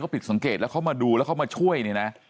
ปิดสังเกตแล้วเขามาดูแล้วเขามาช่วยเนี่ยนะ